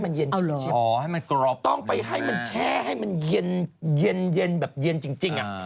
ไปแช่ให้มันเย็นจริงต้องไปแช่ให้มันเย็นแบบเย็นจริงอะ